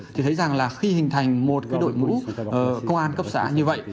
thì thấy rằng là khi hình thành một đội mũ công an cấp xã như vậy